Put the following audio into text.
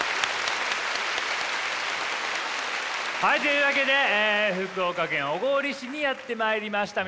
はいというわけで福岡県小郡市にやって参りました。